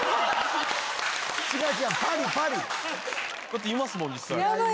だっていますもん実際。